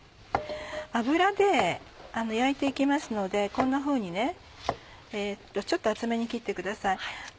油で焼いて行きますのでこんなふうにちょっと厚めに切ってください。